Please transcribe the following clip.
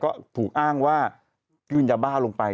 ก็ถูกอ้างว่ายื่นยาบ้าลงไป